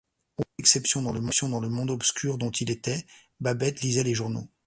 Haute exception dans le monde obscur dont il était, Babet lisait les journaux.